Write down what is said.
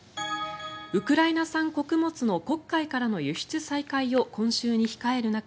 ウクライナ産穀物の黒海からの輸出再開を今週に控える中